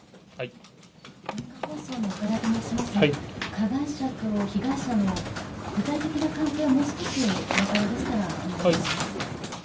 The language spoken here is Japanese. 加害者と被害者の具体的な関係を、もう少しお分かりでしたらお聞かせください。